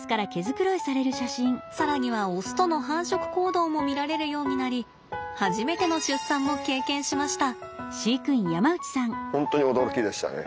更にはオスとの繁殖行動も見られるようになり初めての出産も経験しました。